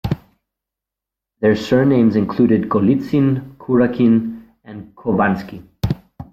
Their surnames included Golitsin, Kurakin and Khovansky.